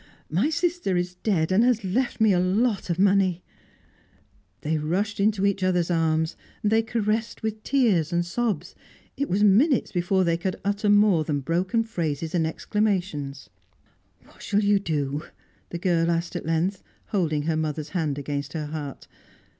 My sister is dead, and has left me a lot of money." They rushed into each other's arms; they caressed with tears and sobs; it was minutes before they could utter more than broken phrases and exclamations. "What shall you do?" the girl asked at length, holding her mother's hand against her heart.